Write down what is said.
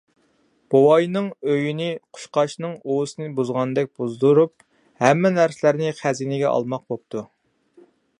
بوۋاينىڭ ئۆيىنى قۇشقاچنىڭ ئۇۋىسىنى بۇزغاندەك بۇزدۇرۇپ، ھەممە نەرسىلەرنى خەزىنىگە ئالماق بوپتۇ.